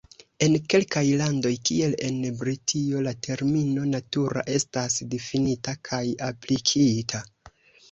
En kelkaj landoj kiel en Britio la termino "natura" estas difinita kaj aplikita.